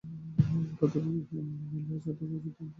তাঁর দাবি, মেলার স্থানটি অপরিচিত জায়গায় হওয়ায় এখানে ক্রেতারা আসছেন না।